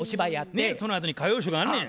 そのあとに歌謡ショーがあんねん。